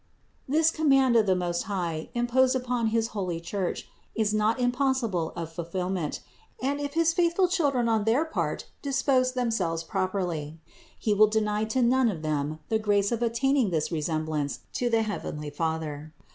This command of the Most High im posed upon his holy Church is not impossible of fulfill ment, and, if his faithful children on their part dispose themselves properly, He will deny to none of them the grace of attaining this resemblance to the heavenly Father.